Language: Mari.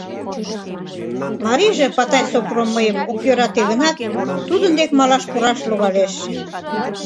Марийже, Патай Сопром, мыйым огеш йӧрате гынат, тудын дек малаш пураш логалеш.